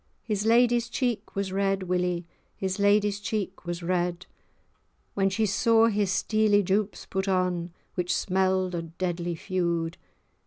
His lady's cheek was red, Willie, His lady's cheek was red, When she saw his steely jupes[#] put on, Which smell'd o' deadly feud.